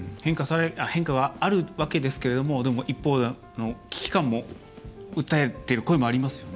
変化があるわけですが一方で、危機感を訴えている声もありますよね。